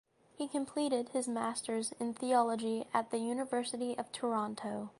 He completed his master’s in theology at the University of Toronto.